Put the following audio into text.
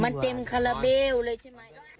มันเต็มคาราเบลเลย